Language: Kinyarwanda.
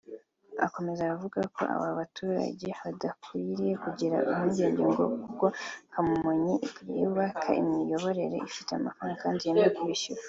Akomeza avuga ko aba baturage badakwiriye kugira impungenge ngo kuko kompanyi yubaka imiyoboro ifite amafaranga kandi yemeye kubishyura